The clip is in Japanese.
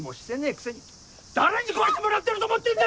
くせに誰に食わしてもらってると思ってんだ！